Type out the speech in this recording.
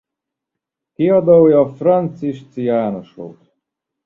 Kiadója Francisci János volt.